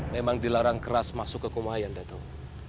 memang dilarang keras masuk ke kumayan datuk